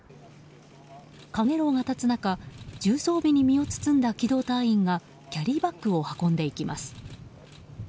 かげろうが立つ中重装備に身を包んだ機動隊員がキャリーバッグを運んでいきます。